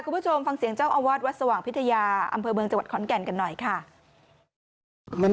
คุณผู้ชมฟังเสียงเจ้าอาวาสวัดสว่างพิทยาอำเภอเมืองจังหวัดขอนแก่นกันหน่อยค่ะ